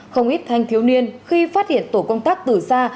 không ít thanh thiếu niên khi phát hiện tổ công tác từ xa